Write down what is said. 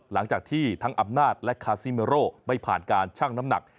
หลังจากที่ทั้งอำนาจและคาซิเมโร่ไม่ผ่านการชั่งน้ำหนัก